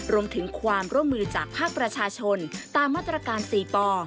รวมถึงความร่วมมือจากภาคประชาชนตามมาตรการ๔ป